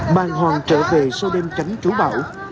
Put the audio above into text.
bàn hoàng trở về sau đêm tránh chú bão